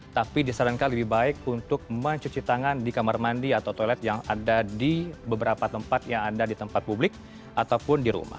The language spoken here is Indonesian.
tapi disarankan lebih baik untuk mencuci tangan di kamar mandi atau toilet yang ada di beberapa tempat yang ada di tempat publik ataupun di rumah